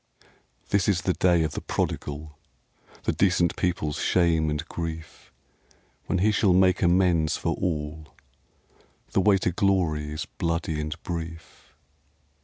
This is the day of the prodigal, The decent people's shame and grief, When he shall make amends for all. The way to Glory's bloody and brief.